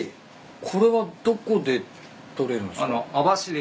これはどこで捕れるんすか？